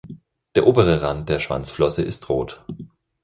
Der obere Rand der Schwanzflosse ist rot.